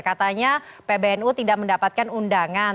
katanya pbnu tidak mendapatkan undangan